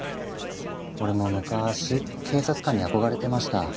俺も昔警察官に憧れてました。